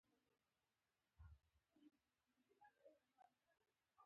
کوچني ښارونه د لویو ښارونو له لوري مات شوي.